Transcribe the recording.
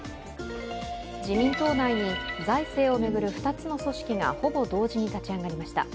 自民党内に財政を巡る２つの組織がほぼ同時に立ち上がりました。